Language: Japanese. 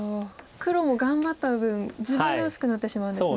黒も頑張った分自分が薄くなってしまうんですね。